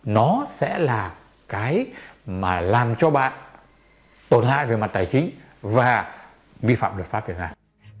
nó sẽ là cái mà làm cho bạn tổn hại về mặt tài chính và vi phạm luật pháp việt nam